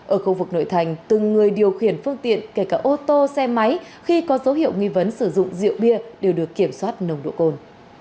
ở khu vực nội thành từng người điều khiển phương tiện kể cả ô tô xe máy khi có dấu hiệu nghi vấn sử dụng rượu bia đều được kiểm soát nồng độ cồn